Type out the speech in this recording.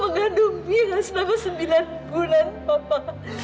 mama mengandung mira selama sembilan bulan papa